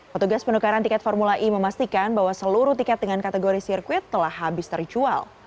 petugas penukaran tiket formula e memastikan bahwa seluruh tiket dengan kategori sirkuit telah habis terjual